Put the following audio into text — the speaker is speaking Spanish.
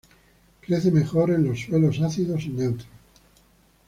Crece mejor en los suelos ácidos o neutros.